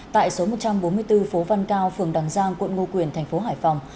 tại số một trăm bốn mươi bốn phố văn cao phường đằng giang quận ngo quyền thành phố hải phòng